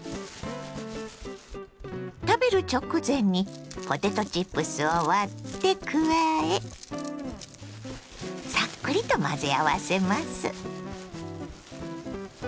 食べる直前にポテトチップスを割って加えサックリと混ぜ合わせます。